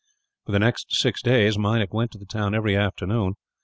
For the next six days Meinik went to the town every afternoon.